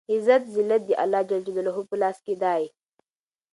عزت ذلت دالله په لاس کې دی